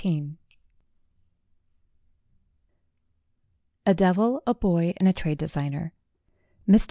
XIV A DEVIL, A BOY, AND A TRADE DESIGNER MR.